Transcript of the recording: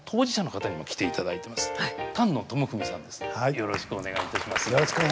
よろしくお願いします。